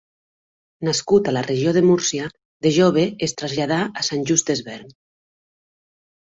Nascut a la Regió de Múrcia, de jove es traslladà a Sant Just Desvern.